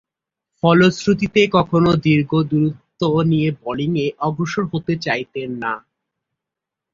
ফলশ্রুতিতে, কখনো দীর্ঘ দূরত্ব নিয়ে বোলিংয়ে অগ্রসর হতে চাইতেন না।